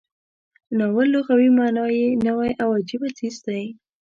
ناول لغوي معنا یې نوی او عجیبه څیز دی.